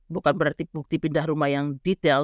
bukan berarti bukti pindah rumah yang detail